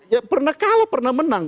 ya pernah kalah pernah menang